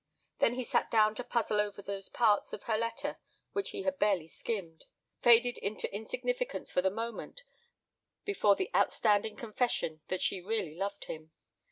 Then he sat down to puzzle over those parts of her letter which he had barely skimmed; faded into insignificance for the moment before the outstanding confession that she really loved him.